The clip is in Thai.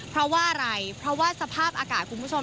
เพราะว่าอะไรเพราะว่าสภาพอากาศคุณผู้ชม